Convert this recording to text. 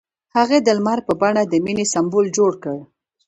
هغه د لمر په بڼه د مینې سمبول جوړ کړ.